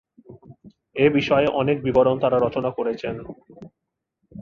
এ বিষয়ে অনেক বিবরণ তারা রচনা করেছেন।